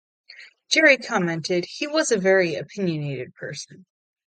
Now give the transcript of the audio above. Geri commented, He was a very opinionated person.